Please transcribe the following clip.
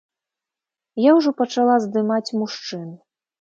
Я ўжо пачала здымаць мужчын.